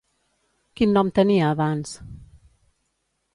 Quin nom tenia abans?